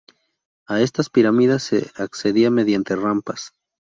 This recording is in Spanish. A estas pirámides se accedía mediante rampas.